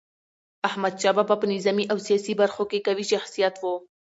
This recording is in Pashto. احمد شاه بابا په نظامي او سیاسي برخو کي قوي شخصیت و.